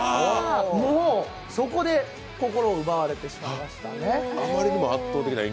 もう、そこで、心を奪われてしまいましたね。